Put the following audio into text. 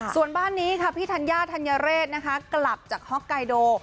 ส่วนบ้านนี้ค่ะพี่ธัญญาธัญเรศนะคะกลับจากฮอกไกโด